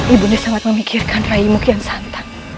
ibunda sangat memikirkan raihmu kian santan